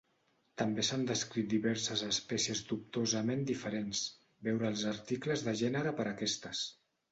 També s'han descrit diverses espècies dubtosament diferents; veure els articles de gènere per aquestes.